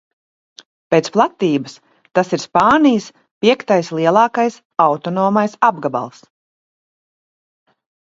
Pēc platības tas ir Spānijas piektais lielākais autonomais apgabals.